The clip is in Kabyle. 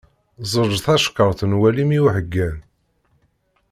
Ẓẓeǧǧ tacekkart n walim i uḥeggan.